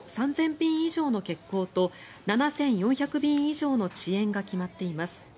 便以上の欠航と７４００便以上の遅延が決まっています。